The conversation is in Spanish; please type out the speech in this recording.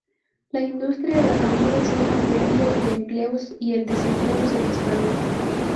La industria derramó decenas de miles de empleos y el desempleo se disparó.